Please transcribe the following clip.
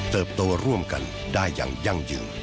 ตัวร่วมกันได้อย่างยั่งยืน